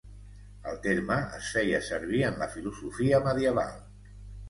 El terme es feia servir en la filosofia medieval.